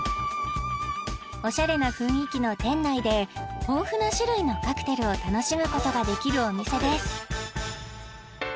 おしゃれな雰囲気の店内で豊富な種類のカクテルを楽しむことができるお店です